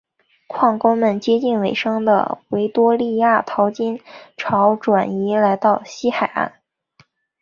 矿工们从接近尾声的维多利亚淘金潮转移来到西海岸。